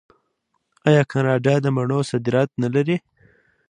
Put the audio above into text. آیا کاناډا د مڼو صادرات نلري؟